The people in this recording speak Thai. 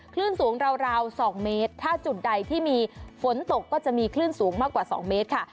คลื่นสูงราว๒เมตรถ้าจุดใดที่มีฝนตกก็จะมีคลื่นสูงมากกว่า๒เมตรค่ะ